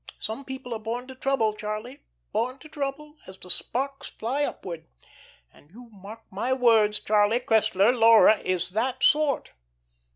Some people are born to trouble, Charlie; born to trouble, as the sparks fly upward. And you mark my words, Charlie Cressler, Laura is that sort.